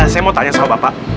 saya mau tanya sama bapak